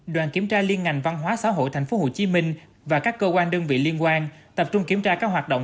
đoàn kiểm tra liên ngành văn hóa xã hội tp hcm và các cơ quan đơn vị liên quan tập trung kiểm tra các hoạt động